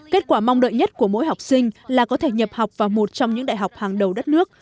kết quả mong đợi nhất của mỗi học sinh là có thể nhập học vào một trong những đại học hàng đầu đất nước